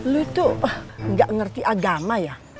lu tuh gak ngerti agama ya